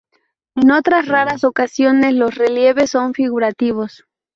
En otras raras ocasiones los relieves son figurativos.